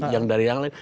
yang dari yang lain